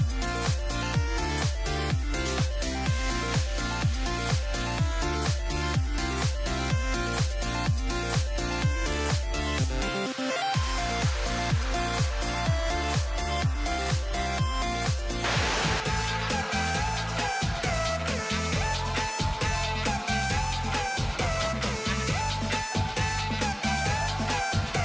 สวัสดีค่ะ